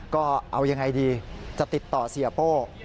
ก็เอายังไงดีจะติดต่อเสียโป้